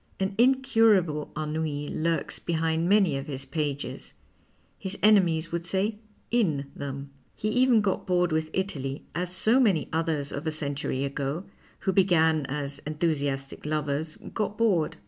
An incurable ennui lurks behind many of his pages ; his enemies would say in them. He even got bored with Italy, as so many others of a century ago, who began as enthusiastic lovers, got bored.